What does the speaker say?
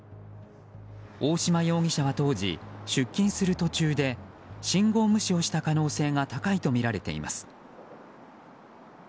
大島容疑者は当時出勤する途中で信号無視をした可能性が高いとみられています。